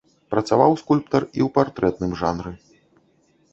Працаваў скульптар і ў партрэтным жанры.